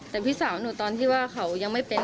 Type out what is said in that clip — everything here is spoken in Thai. แต่พี่สาวหนูตอนที่ว่าเขายังไม่เป็น